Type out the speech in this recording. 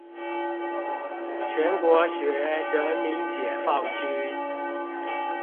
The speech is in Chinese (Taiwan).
全國學人民解放軍